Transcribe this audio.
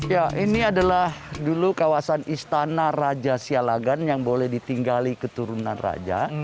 ya ini adalah dulu kawasan istana raja sialagan yang boleh ditinggali keturunan raja